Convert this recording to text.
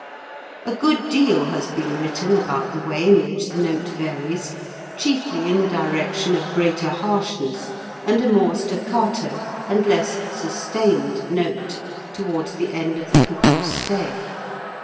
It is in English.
A good deal has been written about the way in which the note varies, chiefly in the direction of greater harshness and a more staccato and less sustained note, towards the end of the cuckoo's stay.